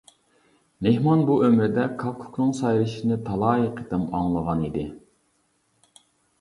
مېھمان بۇ ئۆمرىدە كاككۇكنىڭ سايرىشىنى تالاي قېتىم ئاڭلىغان ئىدى.